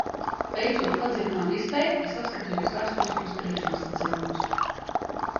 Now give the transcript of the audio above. Veicot padziļinātu izpēti, es apskatījos vēsturiskos priekšnosacījumus.